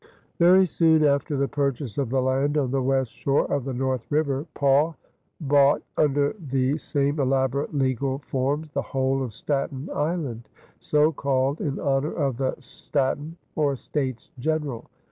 Very soon after the purchase of the land on the west shore of the North River, Pauw bought, under the same elaborate legal forms, the whole of Staten Island, so called in honor of the Staaten or States General.